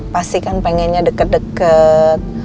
pasti kan pengennya deket deket